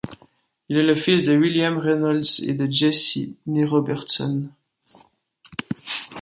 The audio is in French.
Il est le fils de William Reynolds et de Jessie née Robertson.